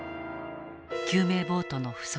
救命ボートの不足